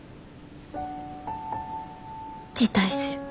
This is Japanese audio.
辞退する。